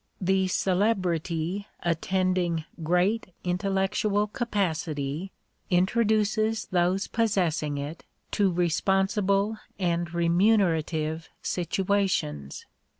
The celebrity attending great intellectual capacity, introduces those possessing it to re sponsible and remunerative situations.